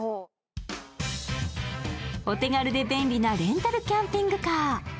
お手軽で便利な軽キャンピングカー。